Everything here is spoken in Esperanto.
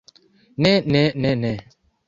Ne ne ne ne.